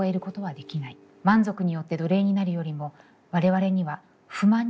満足によって奴隷になるよりも我々には不満になる自由が必要なのだ」。